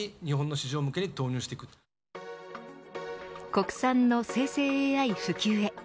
国産の生成ＡＩ普及へ。